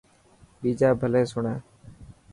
ٻيجا ڀلي سڻي.